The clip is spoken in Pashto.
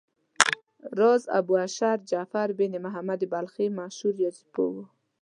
راز ابومعشر جعفر بن محمد بلخي مشهور ریاضي پوه و.